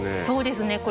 そうですね。